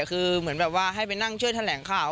คือเหมือนแบบว่าให้ไปนั่งช่วยแถลงข่าว